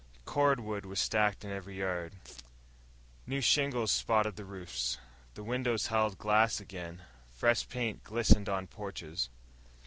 Cordwood was stacked in every yard. New shingles spotted the roofs, the windows held glass again, fresh paint glistened on porches.